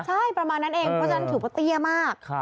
ใช่ประมาณนั้นเองเพราะฉะนั้นถือว่าเตี้ยมาก